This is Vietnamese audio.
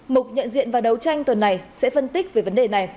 mục nhận diện và đấu tranh tuần này sẽ phân tích về vấn đề này